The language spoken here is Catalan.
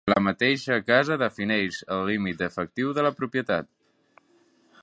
La mateixa casa defineix el límit efectiu de la propietat.